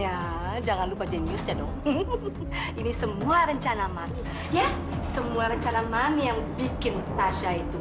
ya jangan lupa jenius tentu ini semua rencana mami ya semua rencana mami yang bikin tasya itu